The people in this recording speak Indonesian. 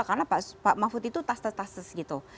karena pak mahfud itu tas tas gitu